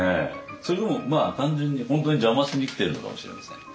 それともまあ単純に本当に邪魔しに来ているのかもしれません。